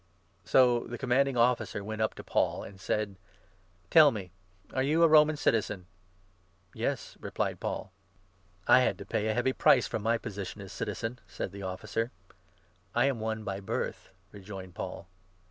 So the Commanding Officer went up to Paul and said • 27 " Tell me, are you a Roman citizen ?" "Yes," replied Paul. " I had to pay a heavy price for my position as citizen," said 28 the Officer. " I am one by birth," rejoined Paul.